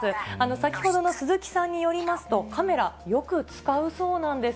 先ほどの鈴木さんによりますと、カメラ、よく使うそうなんです。